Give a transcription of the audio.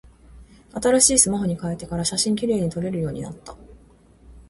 新しいスマホに変えてから、写真綺麗に撮れるようになった。